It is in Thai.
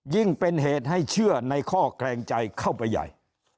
เป็นเหตุให้เชื่อในข้อแคลงใจเข้าไปใหญ่